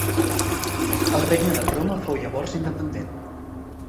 El regne de Prome fou llavors independent.